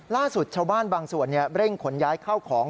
ล่าสุดชาวบ้านบางส่วนเร่งขนย้ายเข้าของ